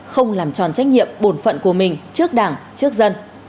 không làm tròn trách nhiệm bổn phận của mình trước đảng trước dân